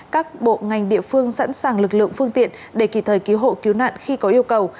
các bộ ngành địa phương sẵn sàng lực lượng phương tiện để kịp thời cứu hộ cứu nạn khi có yêu cầu